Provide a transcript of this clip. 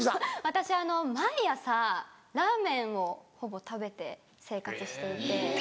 私毎朝ラーメンをほぼ食べて生活していて。